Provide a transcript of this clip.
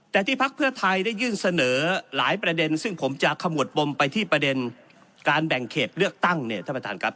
แต่ที่พักเพื่อไทยได้ยื่นเสนอหลายประเด็นซึ่งผมจะขมวดปมไปที่ประเด็นการแบ่งเขตเลือกตั้งเนี่ยท่านประธานครับ